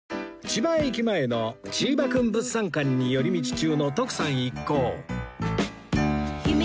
千葉駅前のチーバくん物産館に寄り道中の徳さん一行